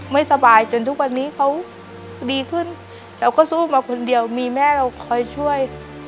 ไม่สบายจนทุกวันนี้เขาดีขึ้นเราก็สู้มาคนเดียวมีแม่เราคอยช่วย